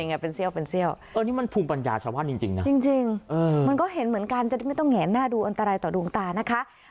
อันนี้มันภูมิปัญญาชะวันจริงนะจริงมันก็เห็นเหมือนกันจะไม่ต้องแหงหน้าดูอันตรายต่อดวงตานะคะ